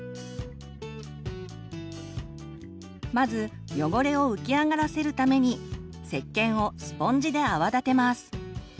まず汚れを浮き上がらせるためにせっけんをスポンジで泡立てます。